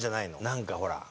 何かほら。